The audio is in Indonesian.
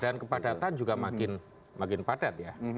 dan kepadatan juga makin padat ya